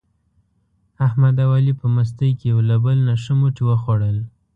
احمد او علي په مستۍ کې یو له بل نه ښه موټي و خوړل.